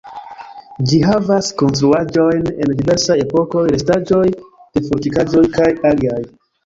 Ĝi havas konstruaĵojn el diversaj epokoj, restaĵoj de fortikaĵoj kaj aliaj.